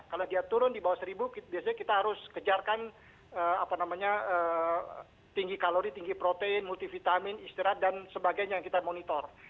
kalau dia turun di bawah seribu biasanya kita harus kejarkan tinggi kalori tinggi protein multivitamin istirahat dan sebagainya yang kita monitor